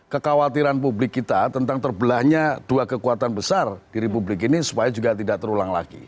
kekhawatiran publik kita tentang terbelahnya dua kekuatan besar di republik ini supaya juga tidak terulang lagi